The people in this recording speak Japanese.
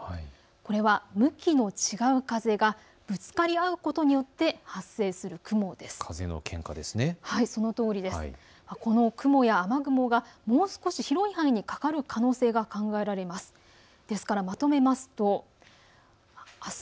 これは向きの違う風がぶつかり合うことによって発生する雲です。